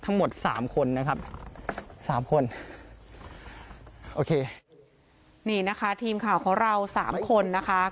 ทั้งหมดสามคนนะครับสามคนโอเคนี่นะคะทีมข่าวของเราสามคนนะคะ